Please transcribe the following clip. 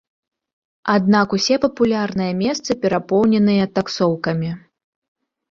Аднак усе папулярныя месцы перапоўненыя таксоўкамі.